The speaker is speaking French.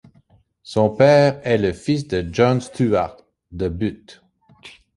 Son père est le fils de John Stuart, de Bute.